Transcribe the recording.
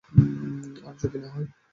আর, যদি না হয়?